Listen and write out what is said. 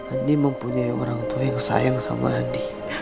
andi mempunyai orang tua yang sayang sama adik